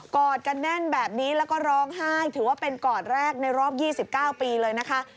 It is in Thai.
อดกันแน่นแบบนี้แล้วก็ร้องไห้ถือว่าเป็นกอดแรกในรอบ๒๙ปีเลยนะคะ